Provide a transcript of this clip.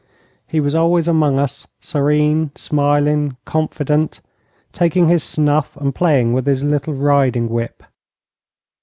He was always among us, serene, smiling, confident, taking his snuff and playing with his little riding whip.